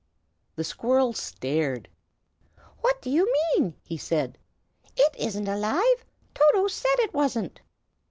The squirrel stared. "What do you mean?" he said. "It isn't alive! Toto said it wasn't."